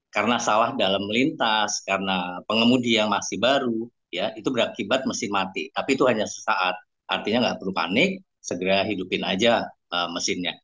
karena sawah dalam melintas karena pengemudi yang masih baru itu berakibat mesin mati tapi itu hanya sesaat artinya gak perlu panik segera hidupin aja mesinnya